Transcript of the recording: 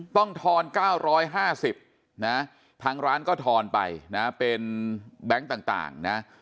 ต้องทอน๙๕๐บาททางร้านก็ทอนไปเป็นแบงค์ต่าง